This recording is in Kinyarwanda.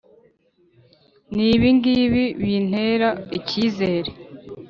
n’ibi ngibi bintera icyizere: